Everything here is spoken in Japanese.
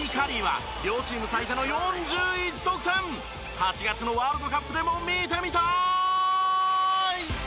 ８月のワールドカップでも見てみたい！